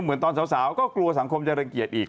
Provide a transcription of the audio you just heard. เหมือนตอนสาวก็กลัวสังคมจะรังเกียจอีก